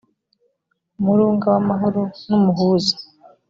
umurunga w amahoro numuhuza